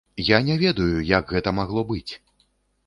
Я не ведаю, як гэта магло быць!